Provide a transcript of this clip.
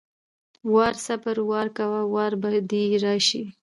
وار=صبر، وار کوه وار به دې راشي!